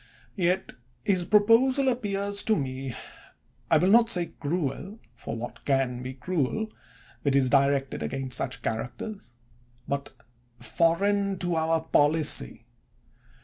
Yet his proposal appears to me, I will not say cruel (for what can be cruel that is directed against such characters?), but foreign to our policy.